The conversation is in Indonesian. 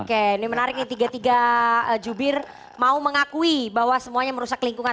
oke ini menarik nih tiga tiga jubir mau mengakui bahwa semuanya merusak lingkungan